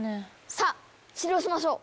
さあ治療しましょう。